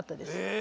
え！